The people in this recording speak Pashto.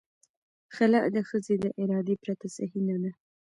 خلع د ښځې د ارادې پرته صحیح نه دی.